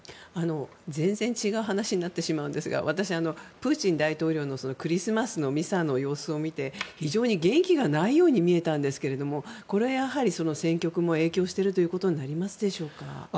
全然違う話になってしまうんですが私、プーチン大統領のクリスマスのミサの様子を見て非常に元気がないように見えたんですけどこれはやはり、戦局も影響していることになりますか？